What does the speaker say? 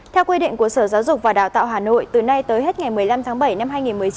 theo quy định của sở giáo dục và đào tạo hà nội từ nay tới hết ngày một mươi năm tháng bảy năm hai nghìn một mươi chín